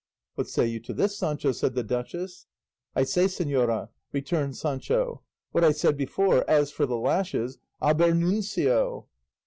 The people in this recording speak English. "What say you to this, Sancho?" said the duchess. "I say, señora," returned Sancho, "what I said before; as for the lashes, abernuncio!"